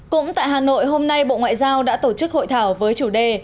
cũng tại hà nội hôm nay bộ ngoại giao đã tổ chức hội thảo với chủ đề